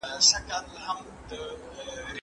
خلګ باید د خدای په اطاعت کي ژوند وکړي.